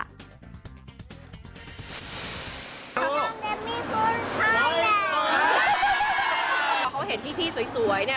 สุดท้าย